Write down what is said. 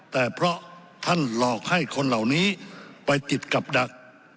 แต่เพราะท่านหลอกให้คนเหล่านี้ไปติดกับดัก